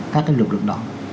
các lực lượng đó